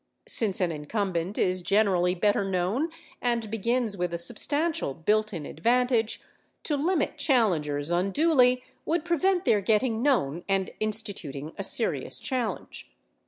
Since an incumbent is generally better known and begins with a substantial built in advantage, to limit challengers unduly would prevent their getting known and instituting a serious challenge.